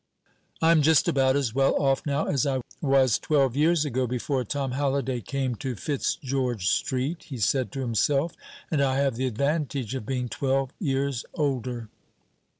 "I am just about as well off now as I was twelve years ago, before Tom Halliday came to Fitzgeorge Street," he said to himself; "and I have the advantage of being twelve years older."